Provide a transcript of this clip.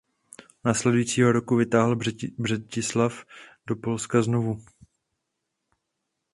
Následujícího roku vytáhl Břetislav do Polska znovu.